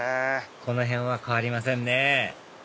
この辺は変わりませんね